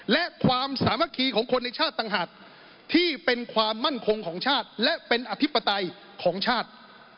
และความสามัคคีของคนในชาติต่างหากที่เป็นความมั่นคงของชาติและเป็นอธิปไตยของชาติ